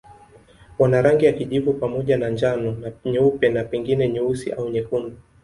Wana rangi ya kijivu pamoja na njano na nyeupe na pengine nyeusi au nyekundu.